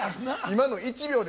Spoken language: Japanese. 今の１秒で「